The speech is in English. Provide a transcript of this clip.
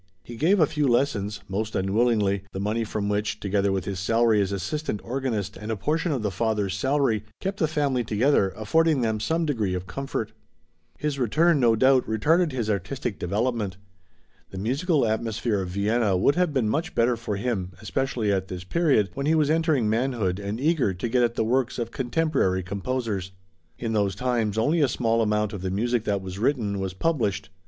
He gave a few lessons, most unwillingly, the money from which, together with his salary as assistant organist and a portion of the father's salary, kept the family together, affording them some degree of comfort. His return, no doubt, retarded his artistic development. The musical atmosphere of Vienna would have been much better for him, especially at this period, when he was entering manhood and eager to get at the works of contemporary composers. In those times only a small amount of the music that was written, was published.